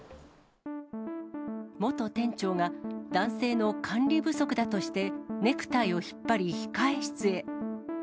元店長が、男性の管理不足だとして、ネクタイを引っ張り、控室へ。